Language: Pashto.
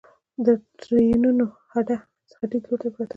د ټرېنونو هډه ختیځ لور ته پرته ده